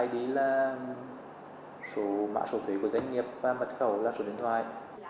đây là mạng sổ thuế của doanh nghiệp và mật khẩu là sổ điện thoại